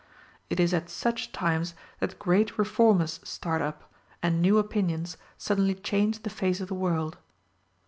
It is at such times that great reformers start up, and new opinions suddenly change the face of the world.